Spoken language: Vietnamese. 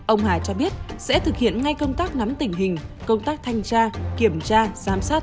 ông hà cho biết sẽ thực hiện ngay công tác nắm tình hình công tác thanh tra kiểm tra giám sát